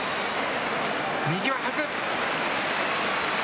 右ははず。